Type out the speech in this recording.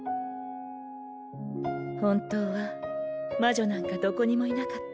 本当は魔女なんかどこにもいなかった。